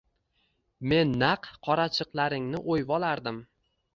Men naq qorachiqlaringni o‘yvolardim.